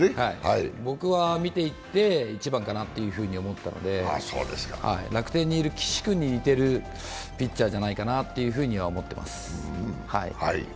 僕は見ていて１番かなと思ったので楽天にいる岸君に似てるピッチャーじゃないかなと思ってます。